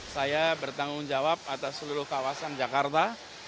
saya bertanggung jawab atas seluruh kawasan jakarta